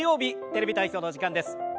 「テレビ体操」のお時間です。